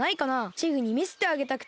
チグにみせてあげたくて。